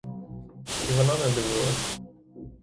І вона не дивилась.